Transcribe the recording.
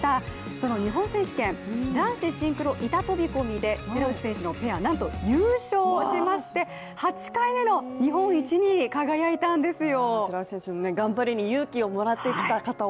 その日本選手権、男子シンクロ板飛び込みで寺内選手のペア、なんと優勝しまして、８回目の日本一に輝いたんですよ。